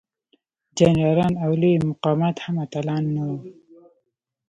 جنرالان او لوی مقامات هم اتلان نه وو.